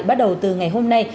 bắt đầu từ ngày hôm nay